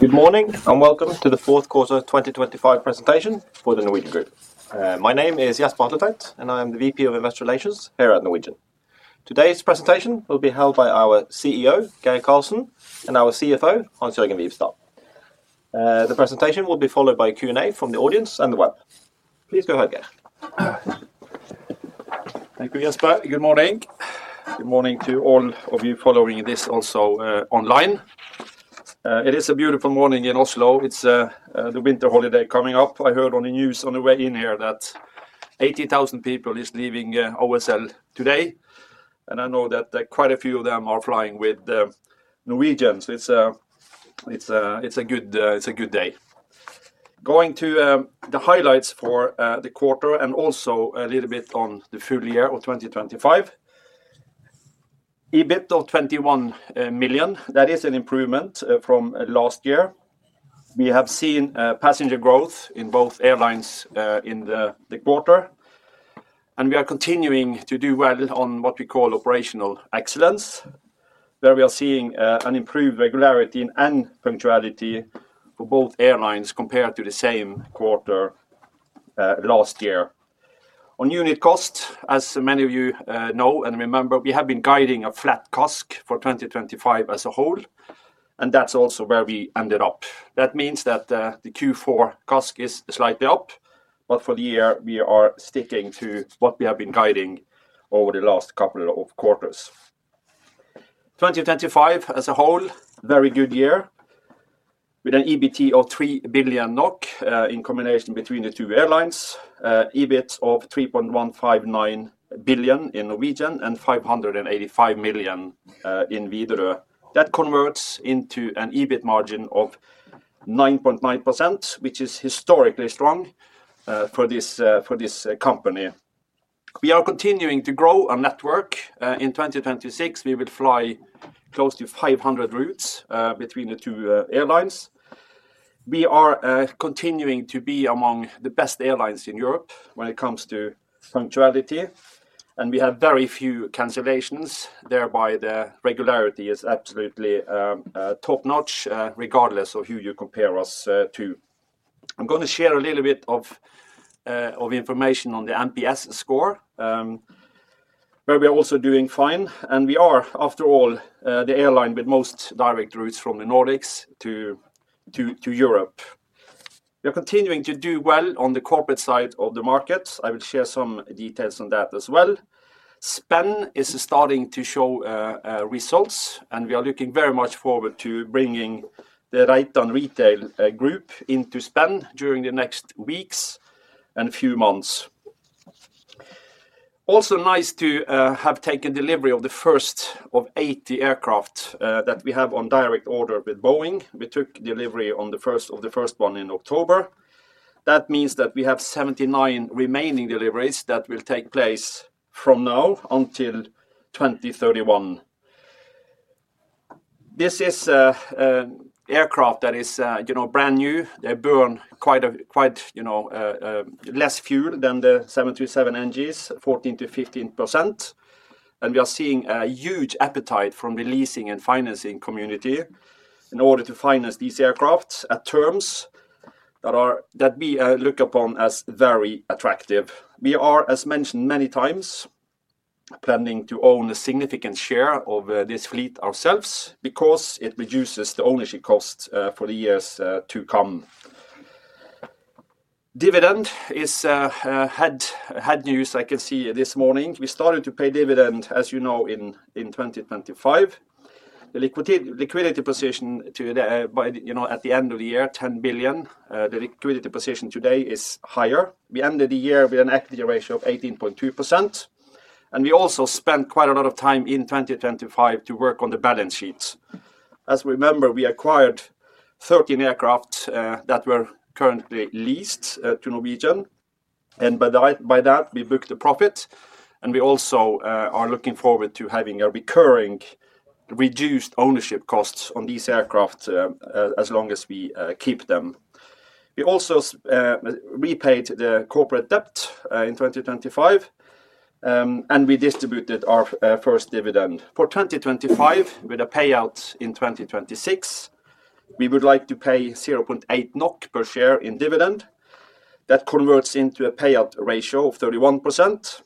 Good morning, and welcome to the fourth quarter 2025 presentation for the Norwegian Group. My name is Jesper Hatletveit, and I'm the VP of Investor Relations here at Norwegian. Today's presentation will be held by our CEO, Geir Karlsen; and our CFO, Hans-Jørgen Wibstad. The presentation will be followed by a Q&A from the audience and the web. Please go ahead, Geir. Thank you, Jesper. Good morning. Good morning to all of you following this also online. It is a beautiful morning in Oslo. It's the winter holiday coming up. I heard on the news on the way in here that 80,000 people is leaving Oslo today, and I know that, that quite a few of them are flying with Norwegian. So it's a good day. Going to the highlights for the quarter and also a little bit on the full year of 2025. EBIT of 21 million, that is an improvement from last year. We have seen passenger growth in both airlines in the quarter, and we are continuing to do well on what we call operational excellence, where we are seeing an improved regularity and punctuality for both airlines compared to the same quarter last year. On unit cost, as many of you know and remember, we have been guiding a flat CASK for 2025 as a whole, and that's also where we ended up. That means that the Q4 CASK is slightly up, but for the year, we are sticking to what we have been guiding over the last couple of quarters. 2025 as a whole, very good year, with an EBIT of 3 billion NOK in combination between the two airlines. EBIT of 3.159 billion in Norwegian and 585 million in Widerøe. That converts into an EBIT margin of 9.9%, which is historically strong for this company. We are continuing to grow our network. In 2026, we will fly close to 500 routes between the two airlines. We are continuing to be among the best airlines in Europe when it comes to punctuality, and we have very few cancellations, thereby the regularity is absolutely top-notch, regardless of who you compare us to. I'm gonna share a little bit of information on the NPS score, where we are also doing fine, and we are, after all, the airline with most direct routes from the Nordics to Europe. We are continuing to do well on the corporate side of the market. I will share some details on that as well. Spenn is starting to show results, and we are looking very much forward to bringing the Reitan Retail group into Spenn during the next weeks and few months. Also, nice to have taken delivery of the first of 80 aircraft that we have on direct order with Boeing. We took delivery on the first, of the first one in October. That means that we have 79 remaining deliveries that will take place from now until 2031. This is a aircraft that is, you know, brand new. They burn quite a, quite, you know, less fuel than the 737 NGs, 14%-15%. We are seeing a huge appetite from the leasing and financing community in order to finance these aircrafts at terms that we look upon as very attractive. We are, as mentioned many times, planning to own a significant share of this fleet ourselves because it reduces the ownership costs for the years to come. Dividend has had news, I can see this morning. We started to pay dividend, as you know, in 2025. The liquidity position today, you know, at the end of the year, 10 billion. The liquidity position today is higher. We ended the year with an equity ratio of 18.2%, and we also spent quite a lot of time in 2025 to work on the balance sheets. As we remember, we acquired 13 aircraft that were currently leased to Norwegian, and by that, we booked a profit, and we also are looking forward to having a recurring reduced ownership costs on these aircraft as long as we keep them. We also repaid the corporate debt in 2025, and we distributed our first dividend. For 2025, with a payout in 2026, we would like to pay 0.8 NOK per share in dividend. That converts into a payout ratio of 31%,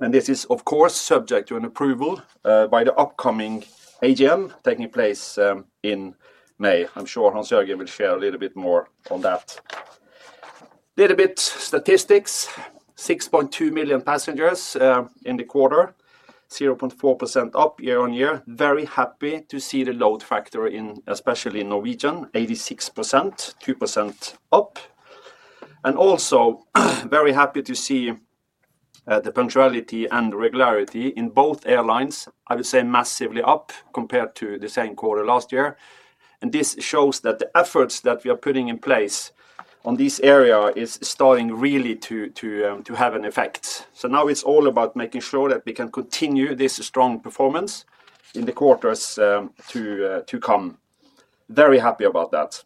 and this is, of course, subject to an approval by the upcoming AGM taking place in May. I'm sure Hans-Jørgen will share a little bit more on that. A little bit of statistics: 6.2 million passengers in the quarter, 0.4% up year-over-year. Very happy to see the load factor in, especially in Norwegian, 86%, 2% up, and also very happy to see the punctuality and regularity in both airlines. I would say massively up compared to the same quarter last year. This shows that the efforts that we are putting in place on this area is starting really to have an effect. So now it's all about making sure that we can continue this strong performance in the quarters to come. Very happy about that.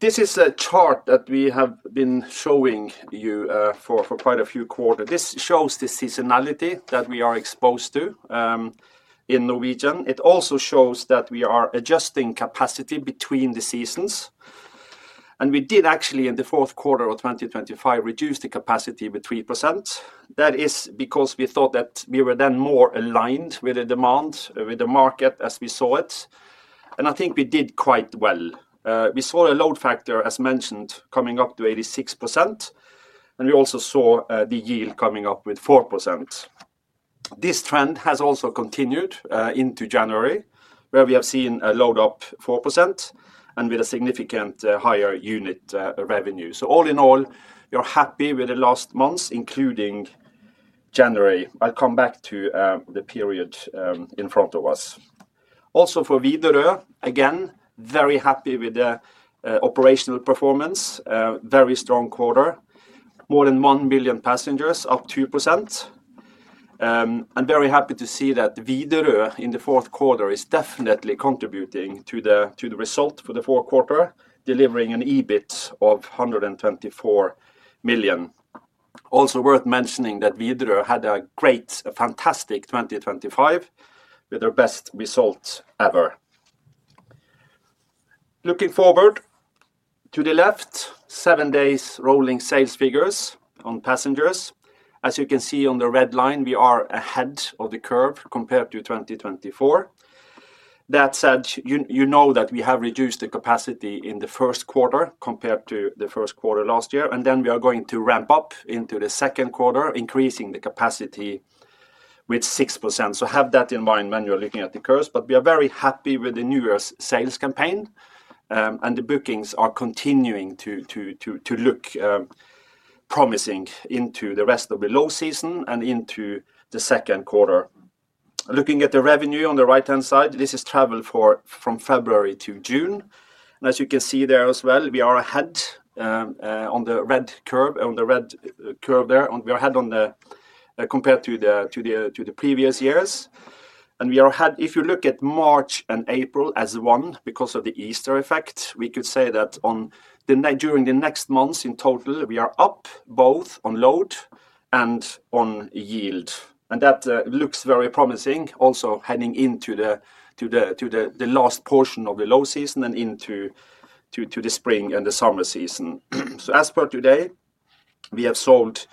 This is a chart that we have been showing you for quite a few quarters. This shows the seasonality that we are exposed to in Norwegian. It also shows that we are adjusting capacity between the seasons, and we did actually, in the fourth quarter of 2025, reduce the capacity by 3%. That is because we thought that we were then more aligned with the demand, with the market as we saw it, and I think we did quite well. We saw a load factor, as mentioned, coming up to 86%, and we also saw the yield coming up with 4%. This trend has also continued into January, where we have seen a load up 4% and with a significant higher unit revenue. So all in all, we are happy with the last months, including January. I'll come back to the period in front of us. Also for Widerøe, again, very happy with the operational performance. Very strong quarter. More than 1 million passengers, up 2%. I'm very happy to see that Widerøe in the fourth quarter is definitely contributing to the result for the fourth quarter, delivering an EBIT of 124 million. Also worth mentioning that Widerøe had a great, a fantastic 2025, with their best result ever. Looking forward, to the left, seven day rolling sales figures on passengers. As you can see on the red line, we are ahead of the curve compared to 2024. That said, you know that we have reduced the capacity in the first quarter compared to the first quarter last year, and then we are going to ramp up into the second quarter, increasing the capacity with 6%. So have that in mind when you're looking at the curves. But we are very happy with the New Year's sales campaign, and the bookings are continuing to look promising into the rest of the low season and into the second quarter. Looking at the revenue on the right-hand side, this is travel from February to June. And as you can see there as well, we are ahead on the red curve there. We are ahead compared to the previous years. And we are ahead—if you look at March and April as one, because of the Easter effect, we could say that during the next months in total, we are up both on load and on yield. That looks very promising, also heading into the last portion of the low season and into the spring and the summer season. So as per today, we have sold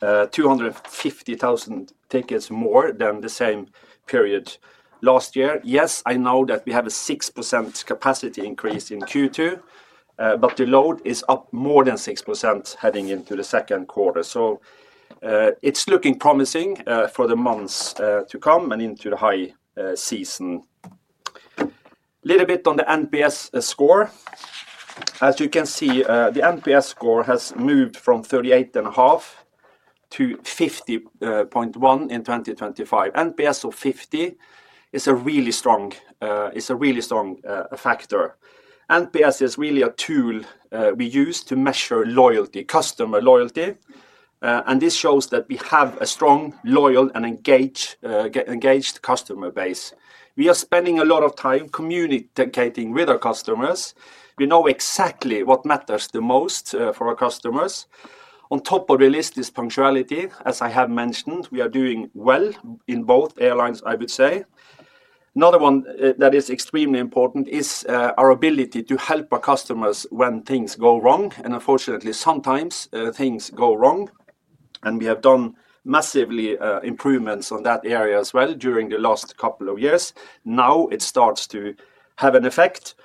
250,000 tickets more than the same period last year. Yes, I know that we have a 6% capacity increase in Q2, but the load is up more than 6% heading into the second quarter. So, it's looking promising for the months to come and into the high season. Little bit on the NPS score. As you can see, the NPS score has moved from 38.5 to 50.1 in 2025. NPS of 50 is a really strong factor. NPS is really a tool, we use to measure loyalty, customer loyalty, and this shows that we have a strong, loyal, and engaged, engaged customer base. We are spending a lot of time communicating with our customers. We know exactly what matters the most, for our customers. On top of the list is punctuality. As I have mentioned, we are doing well in both airlines, I would say. Another one, that is extremely important is, our ability to help our customers when things go wrong, and unfortunately, sometimes, things go wrong, and we have done massively, improvements on that area as well during the last couple of years. Now it starts to have an effect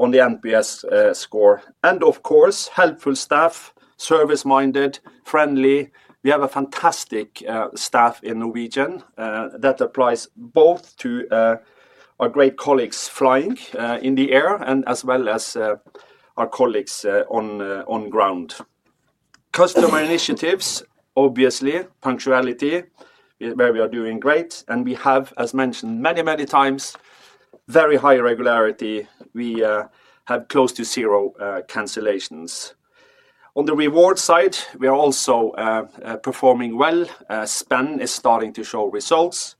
on the NPS, score. And of course, helpful staff, service-minded, friendly. We have a fantastic staff in Norwegian that applies both to our great colleagues flying in the air and as well as our colleagues on ground. Customer initiatives, obviously, punctuality, where we are doing great, and we have, as mentioned many, many times, very high regularity. We have close to zero cancellations. On the reward side, we are also performing well. Spenn is starting to show results,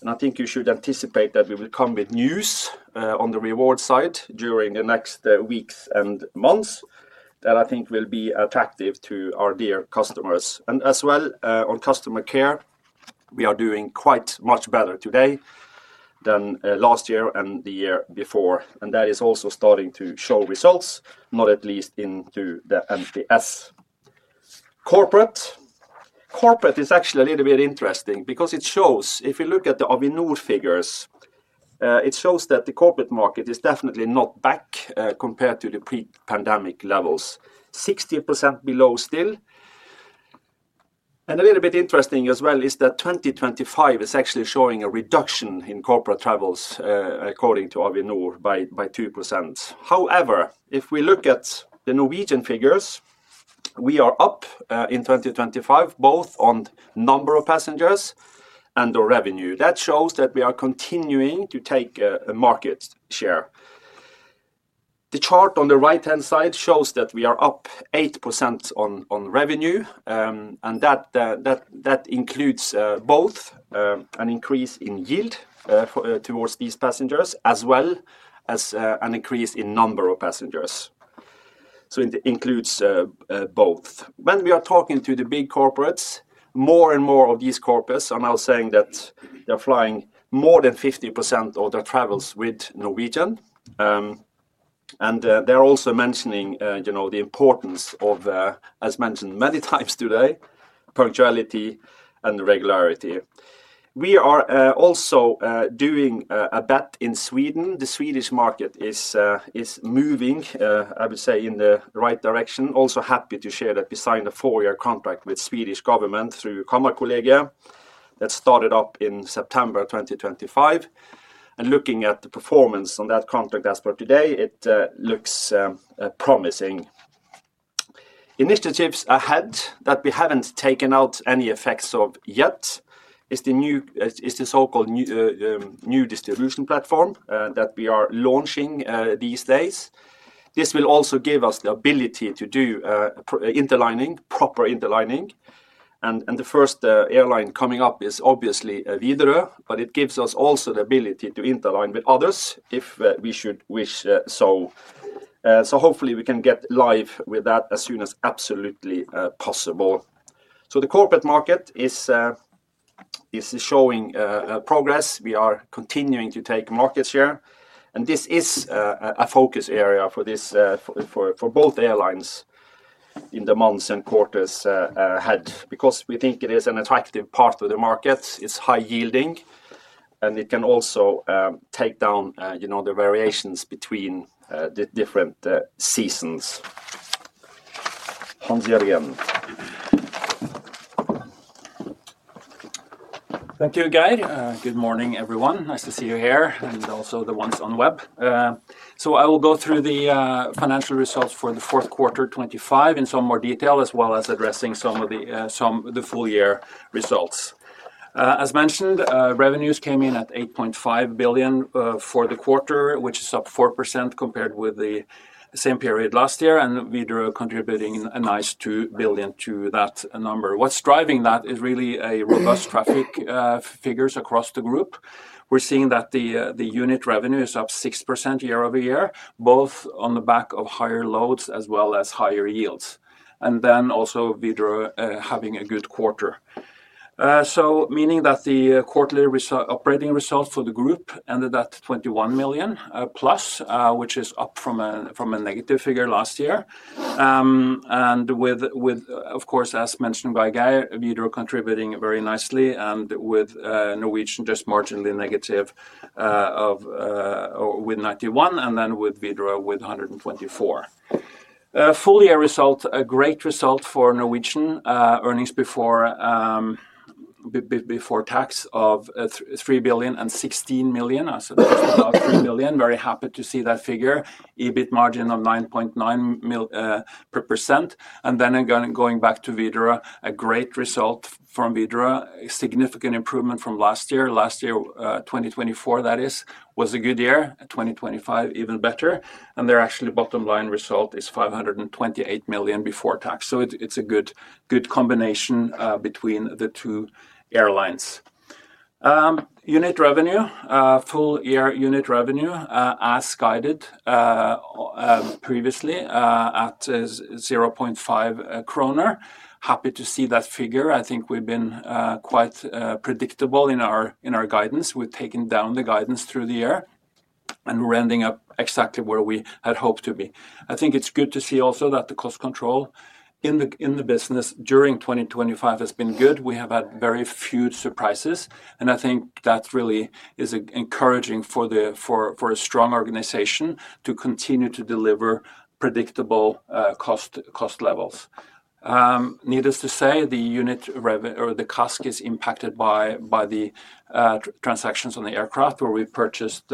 and I think you should anticipate that we will come with news on the reward side during the next weeks and months, that I think will be attractive to our dear customers. And as well, on customer care, we are doing quite much better today than last year and the year before, and that is also starting to show results, not least into the NPS. Corporate. Corporate is actually a little bit interesting because it shows, if you look at the Avinor figures, it shows that the corporate market is definitely not back, compared to the pre-pandemic levels. 60% below still. And a little bit interesting as well is that 2025 is actually showing a reduction in corporate travels, according to Avinor, by 2%. However, if we look at the Norwegian figures, we are up, in 2025, both on number of passengers and the revenue. That shows that we are continuing to take a market share. The chart on the right-hand side shows that we are up 8% on revenue, and that that includes both an increase in yield towards these passengers, as well as an increase in number of passengers. So it includes both. When we are talking to the big corporates, more and more of these corporates are now saying that they're flying more than 50% of their travels with Norwegian. And they're also mentioning you know the importance of as mentioned many times today, punctuality and regularity. We are also doing a bet in Sweden. The Swedish market is moving I would say in the right direction. Also happy to share that we signed a four-year contract with Swedish government through Kammarkollegiet that started up in September of 2025, and looking at the performance on that contract as for today, it looks promising. Initiatives ahead that we haven't taken out any effects of yet is the so-called new distribution platform that we are launching these days. This will also give us the ability to do proper interlining, and the first airline coming up is obviously Widerøe, but it gives us also the ability to interline with others if we should wish so. So hopefully we can get live with that as soon as absolutely possible. So the corporate market is showing progress. We are continuing to take market share, and this is a focus area for both airlines in the months and quarters ahead, because we think it is an attractive part of the market. It's high yielding, and it can also take down, you know, the variations between the different seasons. Hans-Jørgen. Thank you, Geir. Good morning, everyone. Nice to see you here and also the ones on the web. So I will go through the financial results for the fourth quarter 2025 in some more detail, as well as addressing some of the the full year results. As mentioned, revenues came in at 8.5 billion for the quarter, which is up 4% compared with the same period last year, and Widerøe contributing a nice 2 billion to that number. What's driving that is really a robust traffic figures across the group. We're seeing that the the unit revenue is up 6% year-over-year, both on the back of higher loads as well as higher yields, and then also Widerøe having a good quarter. So meaning that the quarterly operating result for the group ended at 21+ million, which is up from a negative figure last year. And with, of course, as mentioned by Geir, Widerøe contributing very nicely and with Norwegian just marginally negative with 91 and then with Widerøe with 124. Full year result, a great result for Norwegian, earnings before tax of 3.016 billion. So about 3 billion. Very happy to see that figure. EBIT margin of 9.9%, and then again, going back to Widerøe, a great result from Widerøe, a significant improvement from last year. Last year, 2024, that is, was a good year. 2025, even better, and their actually bottom line result is 528 million before tax. So it's, it's a good, good combination between the two airlines. Unit revenue, full year unit revenue, as guided previously, at 0.5 kroner. Happy to see that figure. I think we've been quite predictable in our, in our guidance. We've taken down the guidance through the year, and we're ending up exactly where we had hoped to be. I think it's good to see also that the cost control in the, in the business during 2025 has been good. We have had very few surprises, and I think that really is encouraging for a strong organization to continue to deliver predictable cost levels. Needless to say, the CASK is impacted by the transactions on the aircraft, where we purchased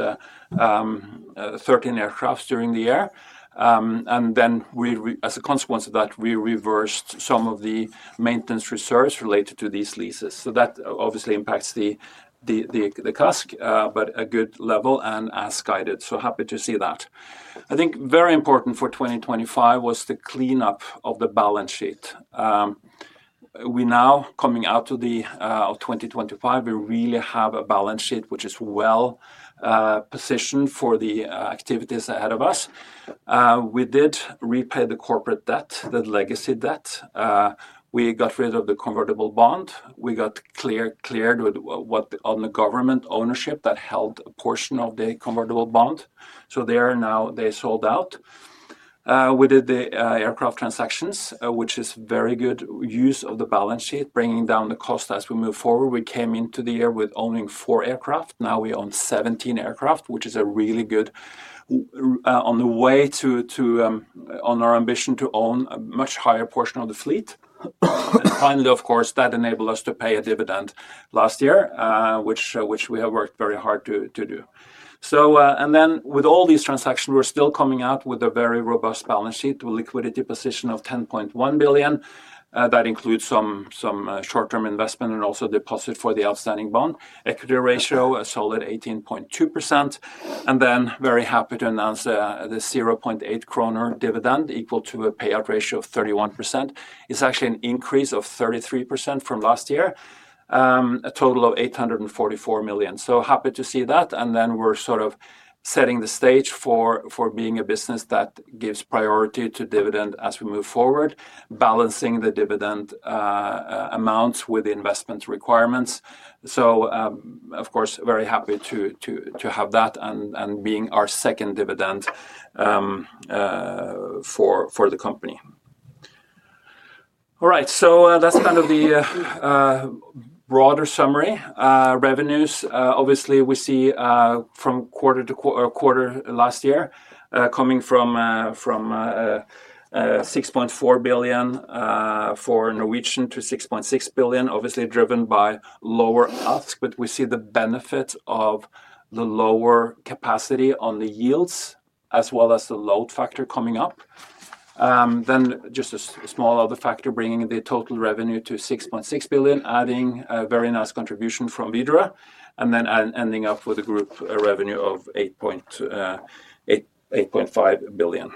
13 aircraft during the year. And then as a consequence of that, we reversed some of the maintenance reserves related to these leases. So that obviously impacts the CASK, but a good level and as guided, so happy to see that. I think very important for 2025 was the cleanup of the balance sheet. We now, coming out of 2025, we really have a balance sheet, which is well positioned for the activities ahead of us. We did repay the corporate debt, the legacy debt. We got rid of the convertible bond. We got cleared with what, on the government ownership that held a portion of the convertible bond, so they sold out. We did the aircraft transactions, which is very good use of the balance sheet, bringing down the cost as we move forward. We came into the year with owning four aircraft. Now we own 17 aircraft, which is a really good on the way to on our ambition to own a much higher portion of the fleet. And finally, of course, that enabled us to pay a dividend last year, which we have worked very hard to do. So, and then with all these transactions, we're still coming out with a very robust balance sheet with liquidity position of 10.1 billion. That includes some, some, short-term investment and also deposit for the outstanding bond. Equity ratio, a solid 18.2%, and then very happy to announce, the 0.8 kroner dividend, equal to a payout ratio of 31%. It's actually an increase of 33% from last year, a total of 844 million. So happy to see that, and then we're sort of setting the stage for being a business that gives priority to dividend as we move forward, balancing the dividend amount with the investment requirements. So, of course, very happy to have that and being our second dividend for the company. All right, so, that's kind of the broader summary. Revenues, obviously, we see from quarter to quarter or quarter last year, coming from 6.4 billion for Norwegian to 6.6 billion, obviously driven by lower ASKs. But we see the benefit of the lower capacity on the yields, as well as the load factor coming up. Then just a small other factor, bringing the total revenue to 6.6 billion, adding a very nice contribution from Widerøe, and then ending up with a group revenue of 8.5 billion.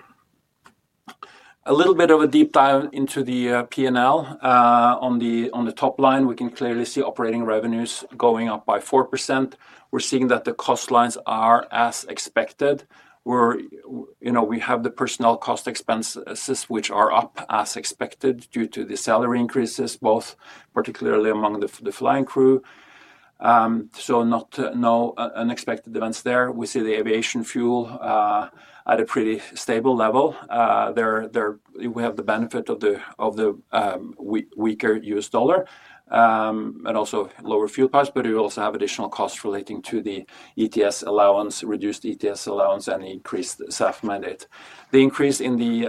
A little bit of a deep dive into the P&L. On the top line, we can clearly see operating revenues going up by 4%. We're seeing that the cost lines are as expected, where, you know, we have the personnel cost expense, which are up as expected, due to the salary increases, both particularly among the, the flying crew. So not, no unexpected events there. We see the aviation fuel at a pretty stable level. We have the benefit of the weaker U.S. dollar, and also lower fuel costs, but we also have additional costs relating to the ETS allowance, reduced ETS allowance, and increased SAF mandate. The increase in the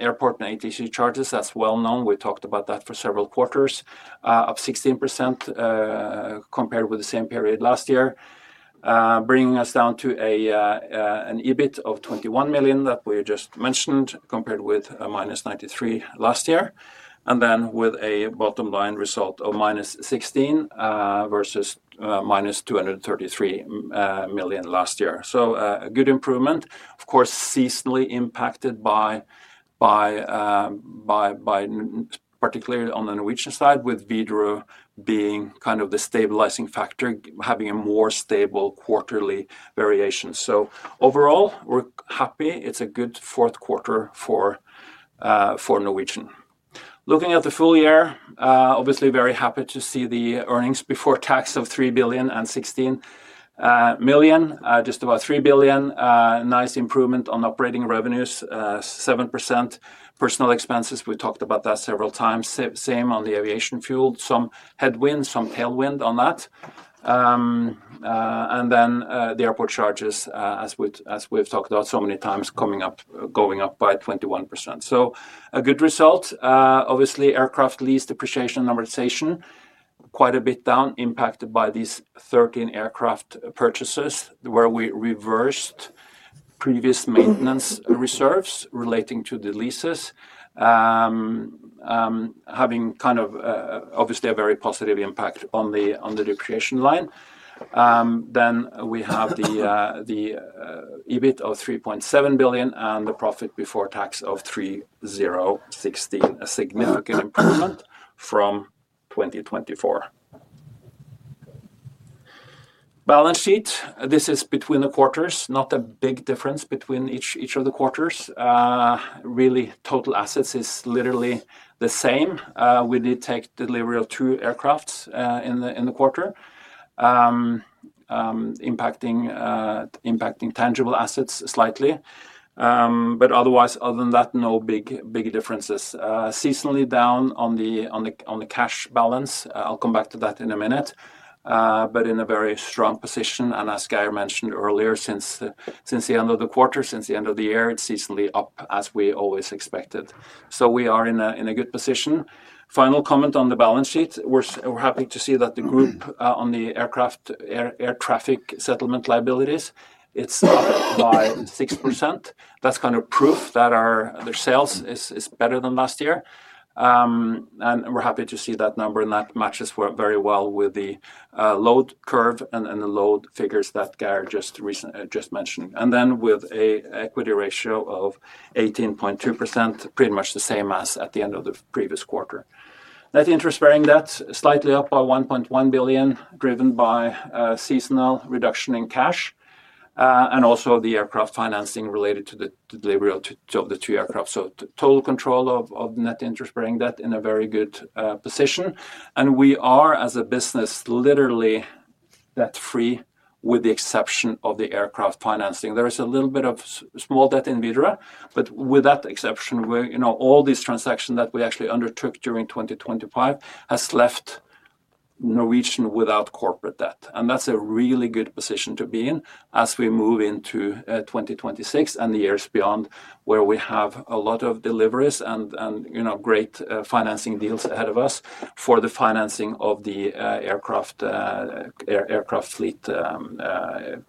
airport and ATC charges, that's well known. We talked about that for several quarters, up 16%, compared with the same period last year. Bringing us down to an EBIT of 21 million that we just mentioned, compared with -93 million last year, and then with a bottom line result of -16 million versus -233 million last year. So, a good improvement, of course, seasonally impacted by particularly on the Norwegian side, with Widerøe being kind of the stabilizing factor, having a more stable quarterly variation. So overall, we're happy. It's a good fourth quarter for Norwegian. Looking at the full year, obviously very happy to see the earnings before tax of 3,016 million, just about three billion. Nice improvement on operating revenues, 7%. Personnel expenses, we talked about that several times. Same on the aviation fuel. Some headwinds, some tailwind on that. And then, the airport charges, as we've talked about so many times, coming up, going up by 21%. So a good result. Obviously, aircraft lease depreciation and amortization, quite a bit down, impacted by these 13 aircraft purchases, where we reversed previous maintenance reserves relating to the leases. Having kind of, obviously, a very positive impact on the depreciation line. Then we have the EBIT of 3.7 billion and the profit before tax of 3.016 billion, a significant improvement from 2024. Balance sheet. This is between the quarters, not a big difference between each of the quarters. Really, total assets is literally the same. We did take delivery of two aircraft in the quarter. Impacting tangible assets slightly. But otherwise, other than that, no big, big differences. Seasonally down on the cash balance. I'll come back to that in a minute. But in a very strong position, and as Geir mentioned earlier, since the end of the quarter, since the end of the year, it's seasonally up as we always expected. So we are in a good position. Final comment on the balance sheet. We're happy to see that the group, on the aircraft air traffic settlement liabilities, it's up by 6%. That's kind of proof that our sales is better than last year. And we're happy to see that number, and that matches work very well with the load curve and the load figures that Geir just mentioned. Then with an equity ratio of 18.2%, pretty much the same as at the end of the previous quarter. Net interest-bearing debt, slightly up by 1.1 billion, driven by a seasonal reduction in cash, and also the aircraft financing related to the delivery of the two aircraft. So total control of net interest-bearing debt in a very good position. And we are, as a business, literally debt-free, with the exception of the aircraft financing. There is a little bit of small debt in Widerøe, but with that exception, where, you know, all these transactions that we actually undertook during 2025 has left Norwegian without corporate debt. That's a really good position to be in as we move into 2026 and the years beyond, where we have a lot of deliveries and you know, great financing deals ahead of us for the financing of the aircraft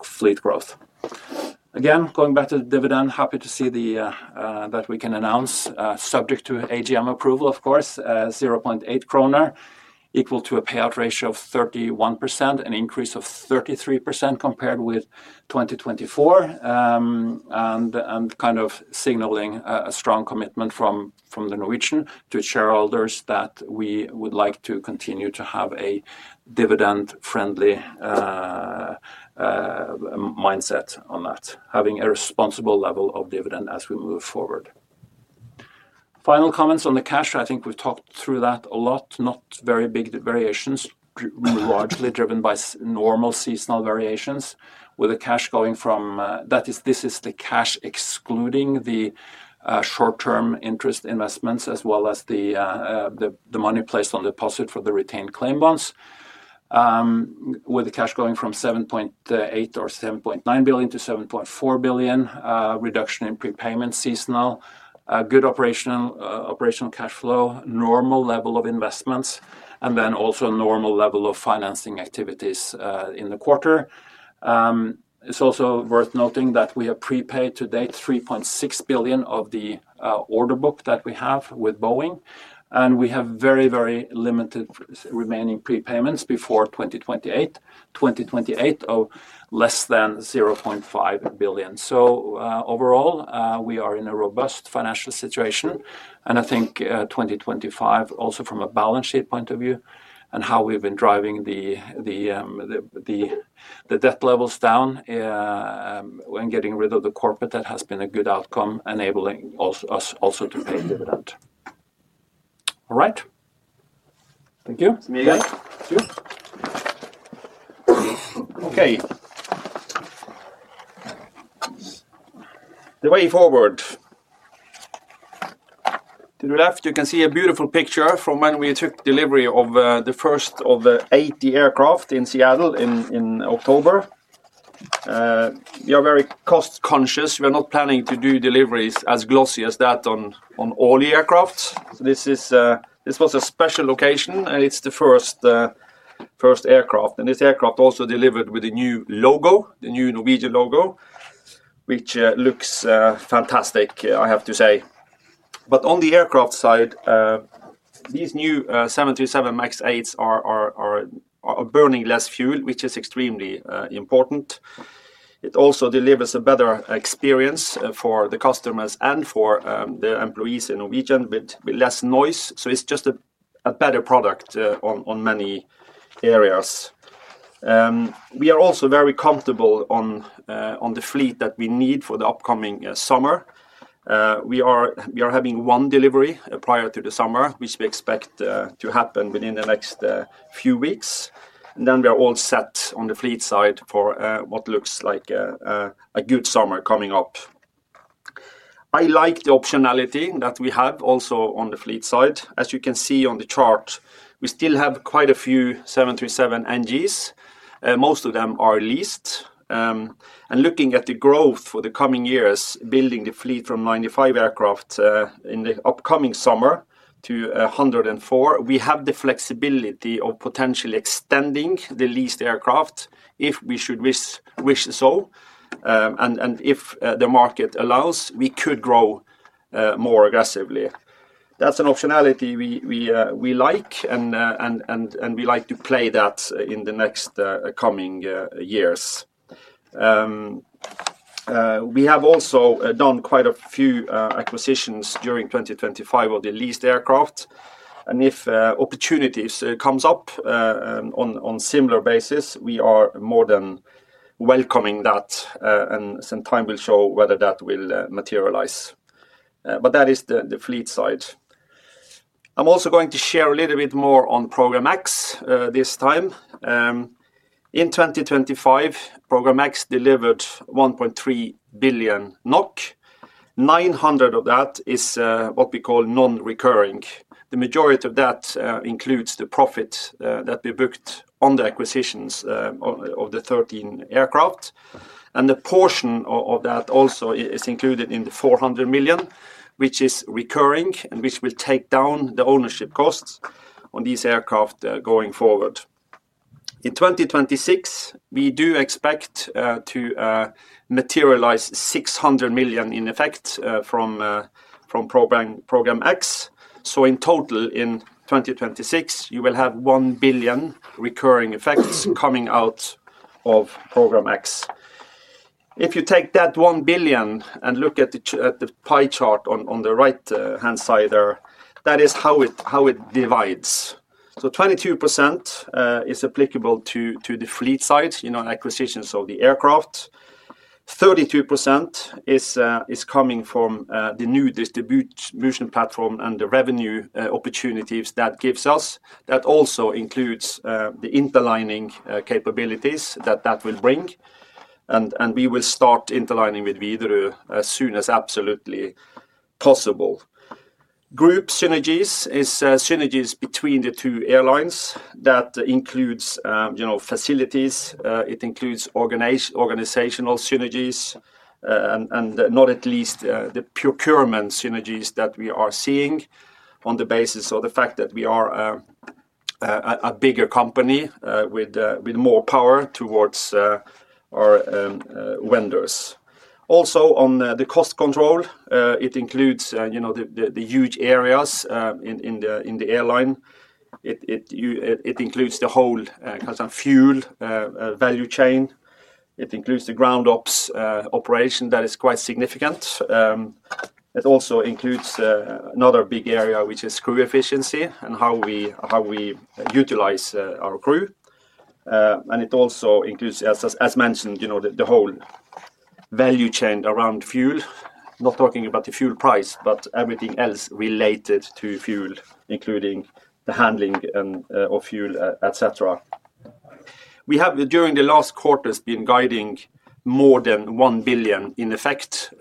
fleet growth. Again, going back to the dividend, happy to see that we can announce, subject to AGM approval, of course, 0.8 kroner, equal to a payout ratio of 31%, an increase of 33% compared with 2024. And kind of signaling a strong commitment from the Norwegian to shareholders that we would like to continue to have a dividend-friendly mindset on that, having a responsible level of dividend as we move forward. Final comments on the cash. I think we've talked through that a lot, not very big variations, largely driven by normal seasonal variations, with the cash going from, this is the cash excluding the short-term interest investments, as well as the the money placed on deposit for the retained claim bonds. With the cash going from 7.8 billion or 7.9 billion to 7.4 billion, reduction in prepayment seasonal, a good operational cash flow, normal level of investments, and then also normal level of financing activities in the quarter. It's also worth noting that we have prepaid to date 3.6 billion of the order book that we have with Boeing, and we have very, very limited remaining prepayments before 2028. 2028 of less than 0.5 billion. So, overall, we are in a robust financial situation, and I think, 2025, also from a balance sheet point of view, and how we've been driving the debt levels down, when getting rid of the corporate, that has been a good outcome, enabling us also to pay dividend. All right. Thank you. It's me. Yeah, it's you. Okay. The way forward. To the left, you can see a beautiful picture from when we took delivery of the first of the 80 aircraft in Seattle in October. We are very cost-conscious. We are not planning to do deliveries as glossy as that on all the aircraft. So this was a special location, and it's the first aircraft. And this aircraft also delivered with a new logo, the new Norwegian logo, which looks fantastic, I have to say. But on the aircraft side, these new 737 MAX 8s are burning less fuel, which is extremely important. It also delivers a better experience for the customers and for the employees in Norwegian with less noise. So it's just a better product on many areas. We are also very comfortable on the fleet that we need for the upcoming summer. We are having one delivery prior to the summer, which we expect to happen within the next few weeks. And then we are all set on the fleet side for what looks like a good summer coming up. I like the optionality that we have also on the fleet side. As you can see on the chart, we still have quite a few 737 NGs, most of them are leased. Looking at the growth for the coming years, building the fleet from 95 aircraft in the upcoming summer to 104, we have the flexibility of potentially extending the leased aircraft if we should wish so. If the market allows, we could grow more aggressively. That's an optionality we like, and we like to play that in the next coming years. We have also done quite a few acquisitions during 2025 of the leased aircraft, and if opportunities comes up on similar basis, we are more than welcoming that, and time will show whether that will materialize. But that is the fleet side. I'm also going to share a little bit more on Program X this time. In 2025, Program X delivered 1.3 billion NOK. 900 of that is what we call non-recurring. The majority of that includes the profit that we booked on the acquisitions of the 13 aircraft. The portion of that also is included in the 400 million, which is recurring, and which will take down the ownership costs on these aircraft going forward. In 2026, we do expect to materialize 600 million in effect from Program X. So in total, in 2026, you will have 1 billion recurring effects coming out of Program X. If you take that 1 billion and look at the pie chart on the right-hand side there, that is how it divides. So 22%, is applicable to the fleet side, you know, in acquisitions of the aircraft. 32% is coming from the new distribution platform and the revenue opportunities that gives us. That also includes the interlining capabilities that that will bring. And we will start interlining with Widerøe as soon as absolutely possible. Group synergies is synergies between the two airlines. That includes, you know, facilities, it includes organizational synergies, and, and not at least, the procurement synergies that we are seeing on the basis of the fact that we are a bigger company, with more power towards our vendors. Also, on the cost control, it includes, you know, the huge areas in the airline. It includes the whole kind of fuel value chain. It includes the ground ops operation that is quite significant. It also includes another big area, which is crew efficiency and how we utilize our crew. And it also includes, as mentioned, you know, the whole value chain around fuel. Not talking about the fuel price, but everything else related to fuel, including the handling and of fuel, et cetera. We have, during the last quarters, been guiding more than 1 billion in effect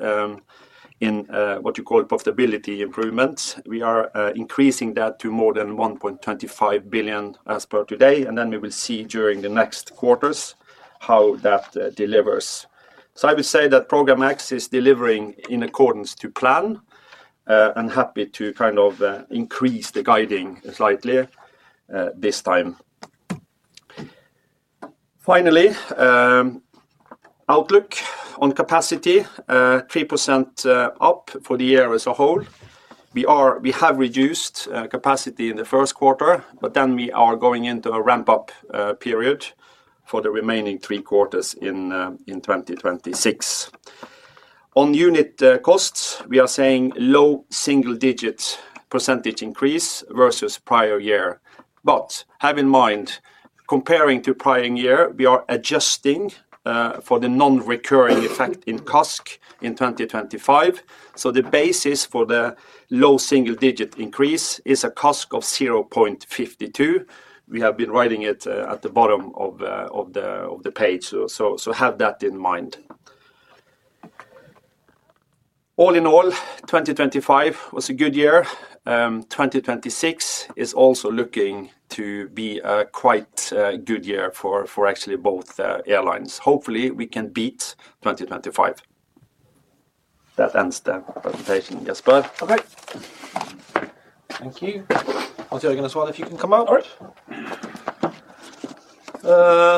in what you call profitability improvements. We are increasing that to more than 1.25 billion as per today, and then we will see during the next quarters how that delivers. So I would say that Program X is delivering in accordance to plan and happy to kind of increase the guiding slightly this time. Finally, outlook on capacity, 3% up for the year as a whole. We have reduced capacity in the first quarter, but then we are going into a ramp up period for the remaining three quarters in 2026. On unit costs, we are saying low single digits % increase versus prior year. But have in mind, comparing to prior year, we are adjusting for the non-recurring effect in CASK in 2025. So the basis for the low single digit increase is a CASK of 0.52. We have been writing it at the bottom of the page. So have that in mind. All in all, 2025 was a good year. 2026 is also looking to be a quite good year for actually both airlines. Hopefully, we can beat 2025. That ends the presentation, Jesper. Okay. Thank you. Hans-Jørgen as well, if you can come out. All right.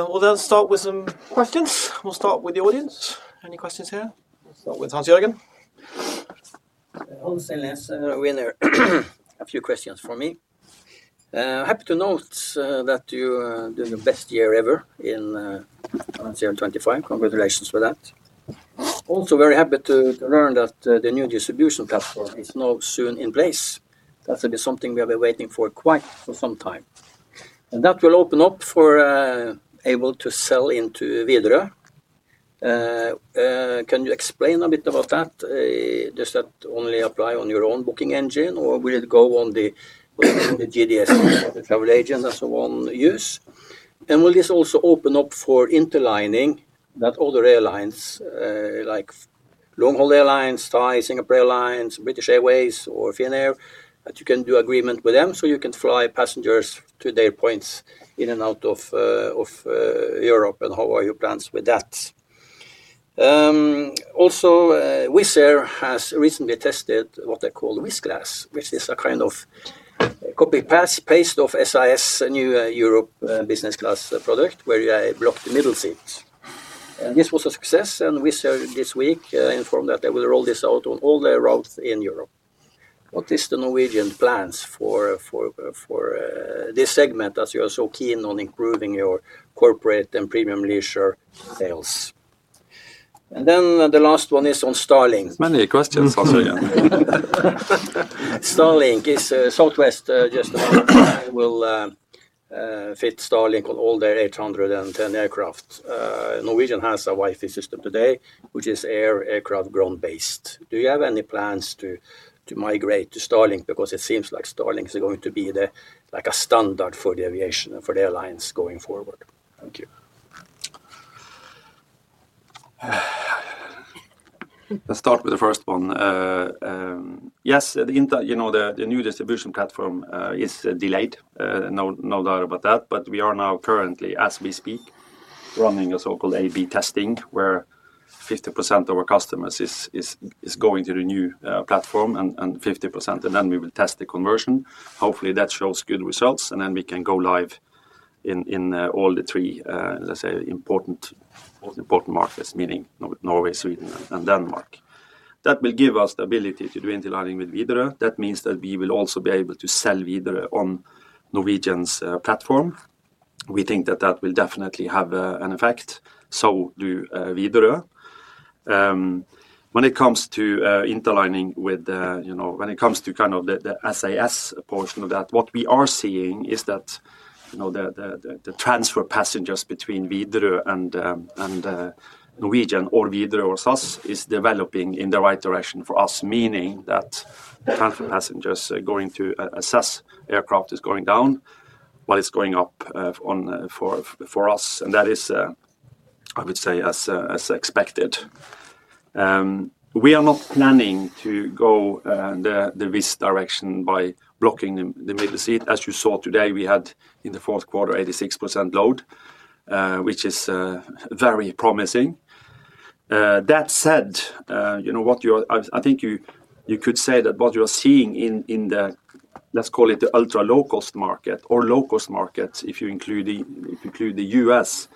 We'll then start with some questions. We'll start with the audience. Any questions here? We'll start with Hans Jørgen. I'll say less, we in there. A few questions for me. Happy to note that you doing your best year ever in 2025. Congratulations for that. Also, very happy to learn that the new distribution platform is now soon in place. That will be something we have been waiting for quite for some time. And that will open up for able to sell into Widerøe. Can you explain a bit about that? Does that only apply on your own booking engine, or will it go on the, the GDS, the travel agent, and so on use? And will this also open up for interlining that other airlines, like long-haul airlines, Thai Airways International, Singapore Airlines, British Airways or Finnair, that you can do agreement with them, so you can fly passengers to their points in and out of, of, Europe, and how are your plans with that? Also, Wizz Air has recently tested what they call Wizz Class, which is a kind of copy, paste of SAS, a new Europe business class product, where you block the middle seats. And this was a success, and Wizz Air this week informed that they will roll this out on all the routes in Europe. What is the Norwegian plans for this segment, as you are so keen on improving your corporate and premium leisure sales? And then the last one is on Starlink. Many questions, Hans Jørgen. Starlink is, Southwest, just will fit Starlink on all their 810 aircraft. Norwegian has a Wi-Fi system today, which is aircraft ground-based. Do you have any plans to migrate to Starlink? Because it seems like Starlink is going to be the, like a standard for the aviation and for the airlines going forward. Thank you. Let's start with the first one. Yes, you know, the new distribution platform is delayed, no doubt about that. But we are now currently, as we speak, running a so-called A/B testing, where 50% of our customers is going to the new platform and 50%, and then we will test the conversion. Hopefully, that shows good results, and then we can go live in all the three, let's say important, all important markets, meaning Norway, Sweden, and Denmark. That will give us the ability to do interlining with Widerøe. That means that we will also be able to sell Widerøe on Norwegian's platform. We think that that will definitely have an effect, so do Widerøe. When it comes to interlining with you know, when it comes to kind of the SAS portion of that, what we are seeing is that you know, the transfer passengers between Widerøe and Norwegian, or Widerøe or SAS, is developing in the right direction for us. Meaning that the transfer passengers going through a SAS aircraft is going down, while it's going up on for us, and that is, I would say, as expected. We are not planning to go the Wizz direction by blocking the middle seat. As you saw today, we had in the fourth quarter 86% load, which is very promising. That said, you know what you are—I think you could say that what you are seeing in, in the, let's call it the ultra low-cost market or low-cost market, if you include the—if you include the U.S.,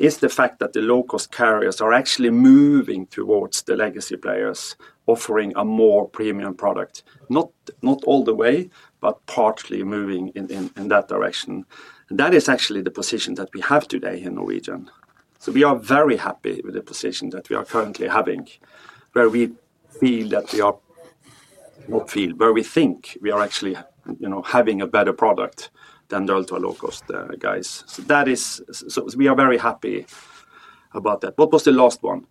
is the fact that the low-cost carriers are actually moving towards the legacy players, offering a more premium product. Not, not all the way, but partly moving in, in, in that direction. And that is actually the position that we have today in Norwegian. So we are very happy with the position that we are currently having, where we feel that we are—what field where we think we are actually, you know, having a better product than the ultra low-cost guys. So that is—so, so we are very happy about that. What was the last one?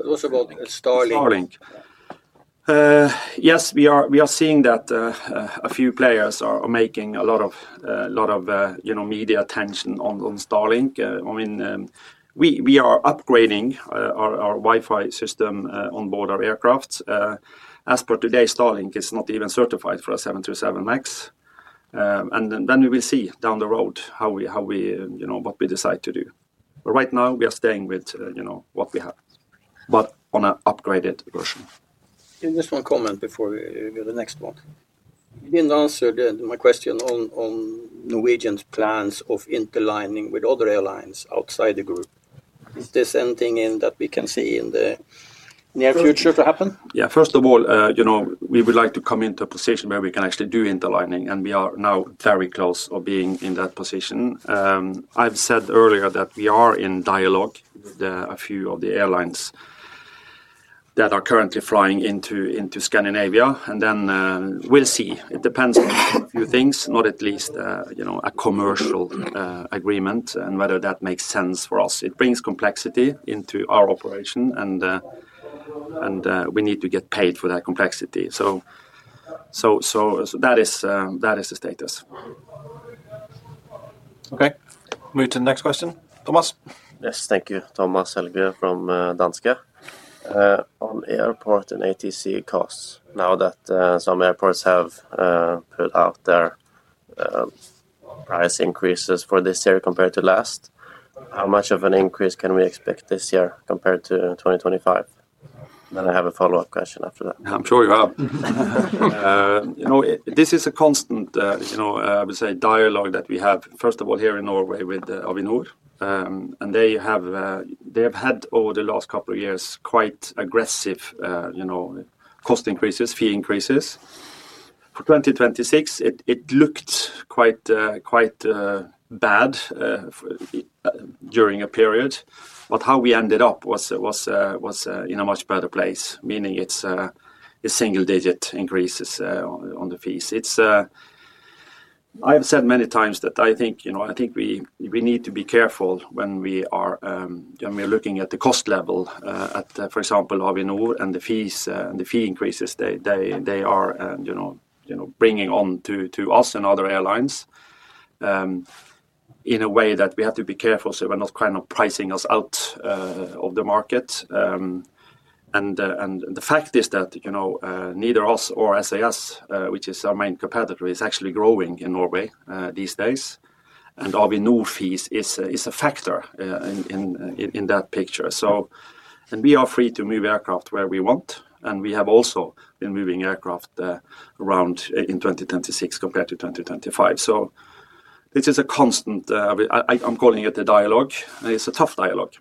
It was about Starlink. Starlink. Yes, we are seeing that a few players are making a lot of you know, media attention on Starlink. I mean, we are upgrading our Wi-Fi system on board our aircraft. As per today, Starlink is not even certified for a 737 MAX. And then we will see down the road how we you know, what we decide to do. But right now, we are staying with you know, what we have, but on a upgraded version. Just one comment before we go to the next one. You didn't answer my question on Norwegian's plans of interlining with other airlines outside the group. Is there something in that we can see in the near future to happen? Yeah. First of all, you know, we would like to come into a position where we can actually do interlining, and we are now very close of being in that position. I've said earlier that we are in dialogue with a few of the airlines that are currently flying into Scandinavia, and then we'll see. It depends on a few things, not at least, you know, a commercial agreement and whether that makes sense for us. It brings complexity into our operation, and we need to get paid for that complexity. So that is the status. Okay. Move to the next question. Thomas? Yes. Thank you. Thomas Helgesen from Danske. On airport and ATC costs, now that some airports have put out their price increases for this year compared to last, how much of an increase can we expect this year compared to 2025? Then I have a follow-up question after that. I'm sure you have. You know, this is a constant, you know, I would say dialogue that we have, first of all, here in Norway with Avinor. And they have had over the last couple of years, quite aggressive, you know, cost increases, fee increases. For 2026, it looked quite bad during a period. But how we ended up was in a much better place, meaning it's a single-digit increases on the fees. I've said many times that I think, you know, I think we need to be careful when we are looking at the cost level, at, for example, Avinor and the fees, and the fee increases, they are, you know, bringing on to us and other airlines, in a way that we have to be careful, so we're not kind of pricing us out of the market. And the fact is that, you know, neither us or SAS, which is our main competitor, is actually growing in Norway these days. And Avinor fees is a factor in that picture. We are free to move aircraft where we want, and we have also been moving aircraft around in 2026 compared to 2025. So this is a constant, I'm calling it a dialogue, and it's a tough dialogue.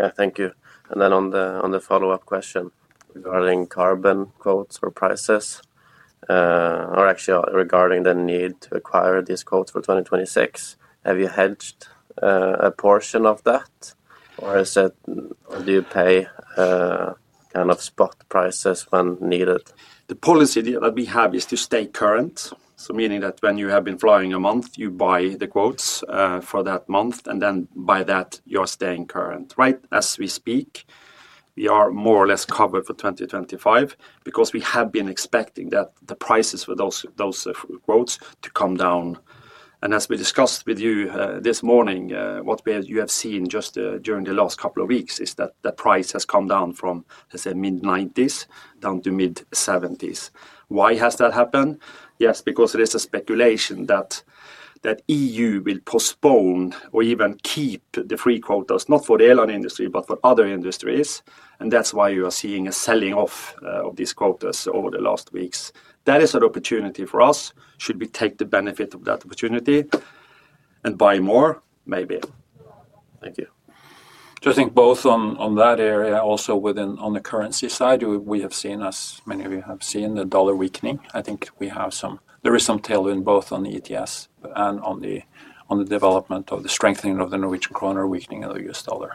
Yeah. Thank you. And then on the follow-up question regarding carbon quotes or prices, or actually regarding the need to acquire these quotes for 2026, have you hedged a portion of that? Or is it, do you pay kind of spot prices when needed? The policy that we have is to stay current. So meaning that when you have been flying a month, you buy the quotas for that month, and then by that, you're staying current. Right as we speak, we are more or less covered for 2025 because we have been expecting that the prices for those quotas to come down. And as we discussed with you this morning, what you have seen just during the last couple of weeks is that the price has come down from, let's say, EUR mid-90s down to EUR mid-70s. Why has that happened? Yes, because there is a speculation that EU will postpone or even keep the free quotas, not for the airline industry, but for other industries, and that's why you are seeing a selling off of these quotas over the last weeks. That is an opportunity for us, should we take the benefit of that opportunity and buy more? Maybe. Thank you. So I think both on that area, also within on the currency side, we have seen, as many of you have seen, the dollar weakening. I think there is some tailwind both on the ETS and on the development of the strengthening of the Norwegian kroner, weakening of the U.S. dollar,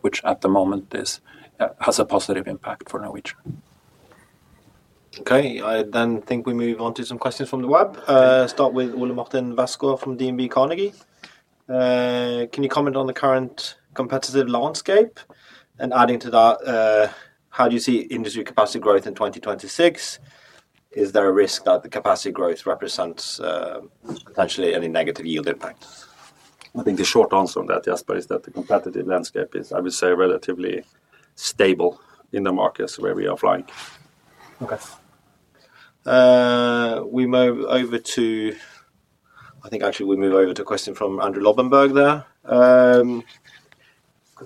which at the moment has a positive impact for Norwegian. Okay. I then think we move on to some questions from the web. Start with Ole Martin Westgaard from DNB Markets. Can you comment on the current competitive landscape? And adding to that, how do you see industry capacity growth in 2026? Is there a risk that the capacity growth represents potentially any negative yield impact? I think the short answer on that, Jesper, is that the competitive landscape is, I would say, relatively stable in the markets where we are flying. Okay. I think actually we move over to a question from Andrew Lobbenberg there.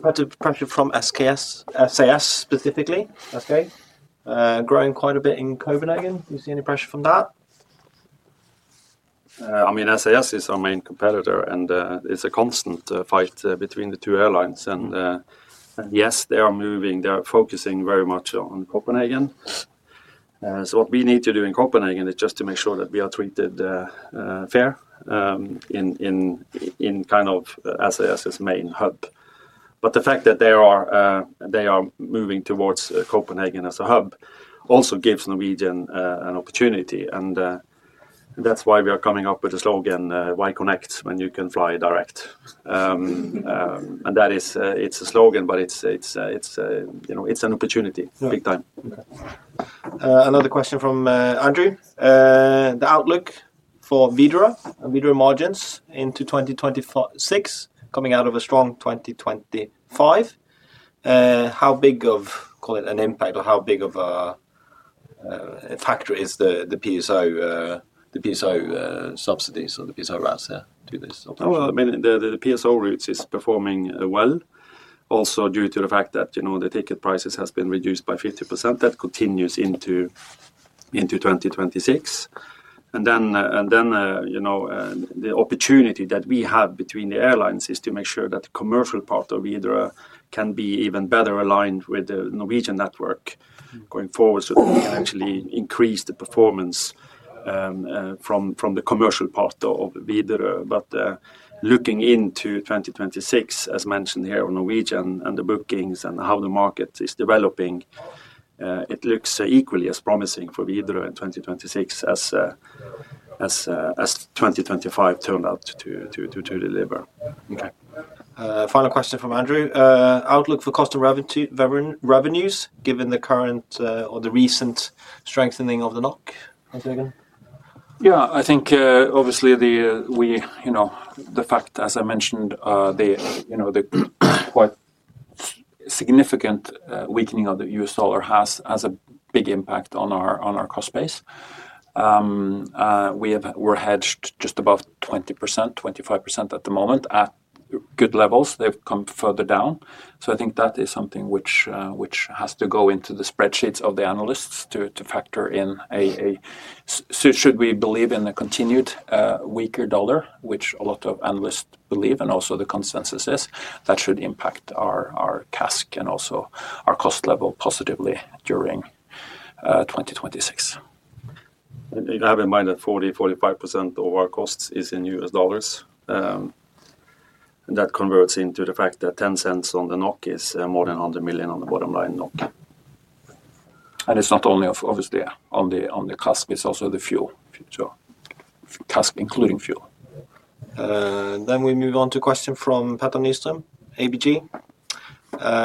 Competitive pressure from SAS specifically. Okay. Growing quite a bit in Copenhagen. Do you see any pressure from that? I mean, SAS is our main competitor, and it's a constant fight between the two airlines. Yes, they are moving, they are focusing very much on Copenhagen. So what we need to do in Copenhagen is just to make sure that we are treated fair in kind of SAS's main hub. But the fact that they are moving towards Copenhagen as a hub also gives Norwegian an opportunity, and that's why we are coming up with a slogan, "Why connect when you can fly direct?" And that is, it's a slogan, but it's a, you know, it's an opportunity- Yeah. Big time. Another question from Andrew. The outlook for Widerøe and Widerøe margins into 2026, coming out of a strong 2025. How big of, call it an impact, or how big of a factor is the PSO, the PSO subsidies or the PSO routes to this? Well, I mean, the PSO routes is performing well, also due to the fact that, you know, the ticket prices has been reduced by 50%. That continues into 2026. And then, you know, the opportunity that we have between the airlines is to make sure that the commercial part of Widerøe can be even better aligned with the Norwegian network going forward, so that we can actually increase the performance from the commercial part of Widerøe. But looking into 2026, as mentioned here on Norwegian, and the bookings and how the market is developing, it looks equally as promising for Widerøe in 2026 as 2025 turned out to deliver. Okay. Final question from Andrew. Outlook for customer revenue, revenues, given the current, or the recent strengthening of the NOK, Hans-Jørgen? Yeah, I think, obviously, we, you know, the fact, as I mentioned, you know, the quite significant weakening of the U.S. dollar has a big impact on our, on our cost base. We're hedged just above 20%, 25% at the moment, at good levels. They've come further down. So I think that is something which has to go into the spreadsheets of the analysts to factor in a So should we believe in a continued weaker dollar, which a lot of analysts believe, and also the consensus is, that should impact our our CASK and also our cost level positively during 2026. Have in mind that 40%-45% of our costs is in U.S. dollars. And that converts into the fact that 10 cents on the NOK is more than 100 million NOK on the bottom line. And it's not only obviously on the CASK, it's also the fuel. So CASK, including fuel. Then we move on to a question from Petter Nystrøm, ABG.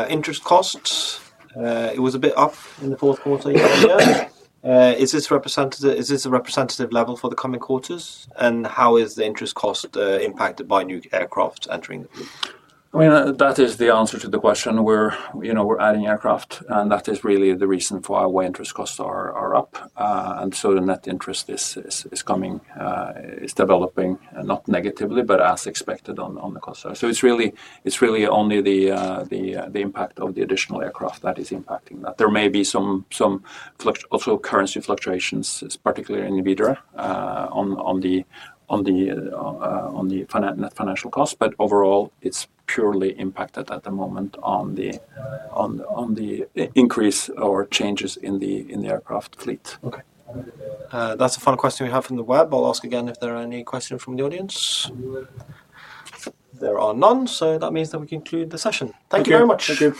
Interest costs, it was a bit up in the fourth quarter. Is this a representative level for the coming quarters? And how is the interest cost impacted by new aircraft entering the group? I mean, that is the answer to the question. We're, you know, we're adding aircraft, and that is really the reason for why our interest costs are up. And so the net interest is coming, is developing, not negatively, but as expected on the cost. So it's really only the impact of the additional aircraft that is impacting that. There may be some fluctuations also currency fluctuations, particularly in Widerøe, on the net financial cost. But overall, it's purely impacted at the moment on the increase or changes in the aircraft fleet. Okay. That's the final question we have from the web. I'll ask again if there are any questions from the audience. There are none, so that means that we conclude the session. Thank you. Thank you very much. Thank you.